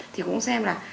thì cũng xem là